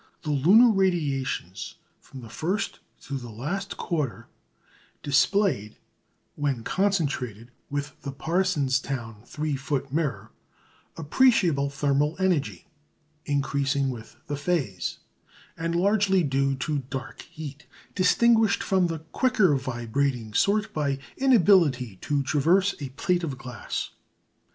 The lunar radiations, from the first to the last quarter, displayed, when concentrated with the Parsonstown three foot mirror, appreciable thermal energy, increasing with the phase, and largely due to "dark heat," distinguished from the quicker vibrating sort by inability to traverse a plate of glass.